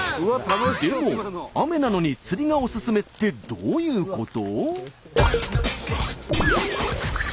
でも雨なのに釣りがオススメってどういうこと？